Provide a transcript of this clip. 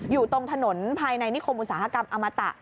อยู่ตรงถนนภายในนิคมอุตสาหกรรมอมตะ